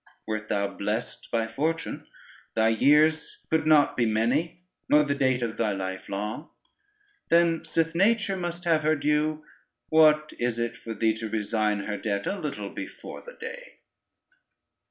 Wert thou blessed by Fortune thy years could not be many, nor the date of thy life long: then sith nature must have her due, what is it for thee to resign her debt a little before the day.